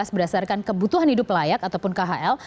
berdasarkan kebutuhan hidup layak ataupun khl